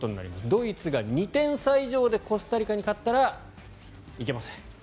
ドイツが２点差以上でコスタリカに勝ったら行けません。